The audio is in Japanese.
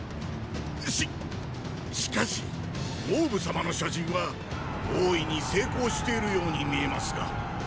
しっしかし蒙武様の斜陣は大いに成功しているように見えますが。